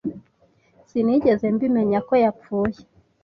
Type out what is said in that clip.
Sinigeze mbimenya ko yapfuye.